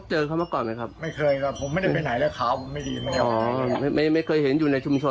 เห็นขาข้างข้างนี้ก็รออยู่ไหมครับ